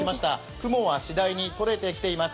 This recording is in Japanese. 雲はしだいに取れてきています。